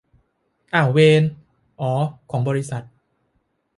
อ่าวเวร อ่อของบริษัท